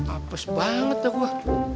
apes banget dah gua